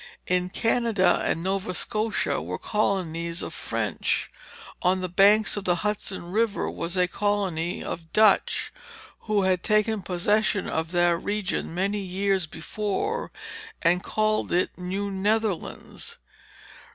In Canada and Nova Scotia were colonies of French. On the banks of the Hudson River was a colony of Dutch, who had taken possession of that region many years before, and called it New Netherlands.